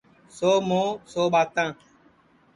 سو مُہو سو ٻاتاں